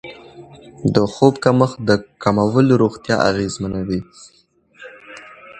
د خوب کمښت د کولمو روغتیا اغېزمنوي.